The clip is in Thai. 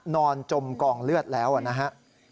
นอนจมกล่องเลือดแล้วอะนะฮะ